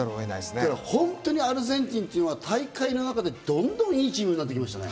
本当にアルゼンチンっていうのは大会の中でどんどんいいチームになっていきましたね。